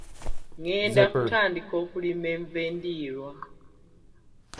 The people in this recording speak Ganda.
Ngenda kutandika okulima enva endiirwa.